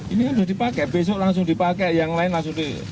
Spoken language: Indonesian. ini kan sudah dipakai besok langsung dipakai yang lain langsung